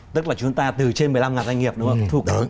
tức là chúng ta từ trên một mươi năm doanh nghiệp đúng không